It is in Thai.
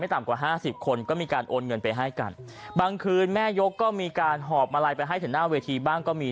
ต่ำกว่าห้าสิบคนก็มีการโอนเงินไปให้กันบางคืนแม่ยกก็มีการหอบมาลัยไปให้ถึงหน้าเวทีบ้างก็มี